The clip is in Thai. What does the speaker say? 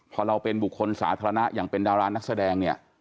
พอเราเป็นบุคคลสาธารณะอย่างเป็นดารานักแสดงเนี่ย